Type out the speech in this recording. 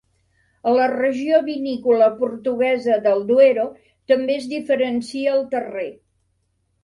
A la regió vinícola portuguesa del Duero també es diferencia el terrer.